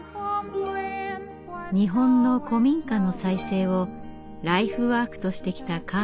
日本の古民家の再生をライフワークとしてきたカールさん。